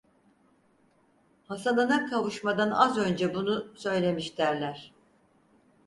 Hasan'ına kavuşmadan az önce bunu söylemiş derler!